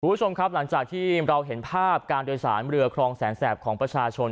คุณผู้ชมครับหลังจากที่เราเห็นภาพการโดยสารเรือครองแสนแสบของประชาชน